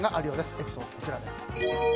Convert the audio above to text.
エピソード、こちらです。